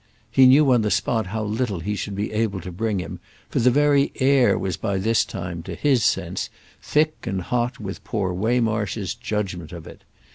_" He knew on the spot how little he should be able to bring him, for the very air was by this time, to his sense, thick and hot with poor Waymarsh's judgement of it.